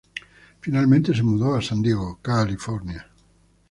Finalmente se mudó a San Diego, California.